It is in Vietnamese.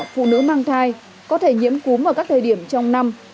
phụ nữ mang thai có thể nhiễm cúm ở các thời điểm trong năm